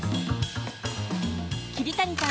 桐谷さん